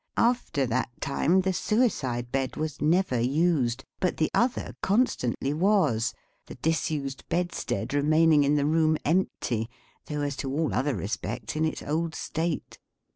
After that time, the suicide bed was never used, but the other constantly was; the disused bedstead remaining in the room empty, though as to all other respects in its old state.